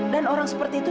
dan orang seperti itu